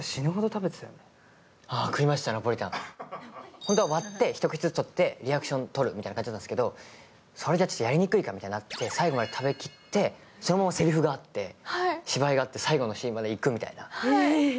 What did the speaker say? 本当は割って、一口ずつ割ってリアクションとるっていう感じだったんですけど、それではやりにくいかってなって、最後まで食べきって、そのまませりふがあって、芝居があって最後のシーンまでいくみたいな。